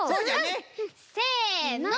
せの！